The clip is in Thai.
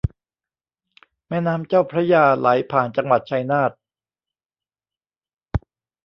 แม่น้ำเจ้าพระยาไหลผ่านจังหวัดชัยนาท